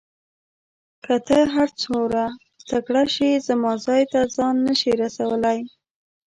که ته هر څوره تکړه شې زما ځای ته ځان نه شې رسولای.